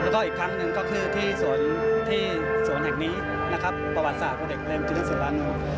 ก็อีกครั้งนึงก็คือที่สวนแห่งนี้ประวัติศาสตร์ตัวเด็กเพลงคือ๘๐ล้านนู้น